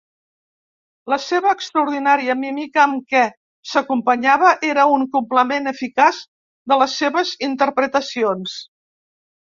La seva extraordinària mímica, amb què s'acompanyava, era un complement eficaç de les seves interpretacions.